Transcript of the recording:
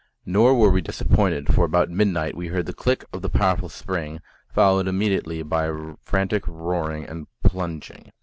Nor were we disappointed, for about midnight we heard the click of the powerful spring, followed immediately by frantic roaring and plunging.